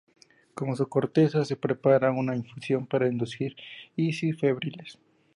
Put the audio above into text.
Con su corteza se prepara una infusión para inducir lisis febriles.